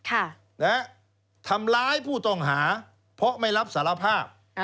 ค่ะนะฮะทำร้ายผู้ต้องหาเพราะไม่รับสารภาพ